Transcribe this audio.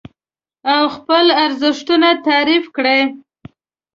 او خپل ارزښتونه تعريف کړئ.